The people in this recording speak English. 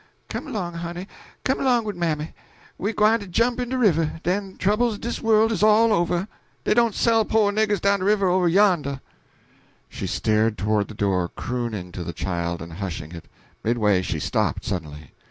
Come along, honey, come along wid mammy; we gwine to jump in de river, den de troubles o' dis worl' is all over dey don't sell po' niggers down the river over yonder." She started toward the door, crooning to the child and hushing it; midway she stopped, suddenly.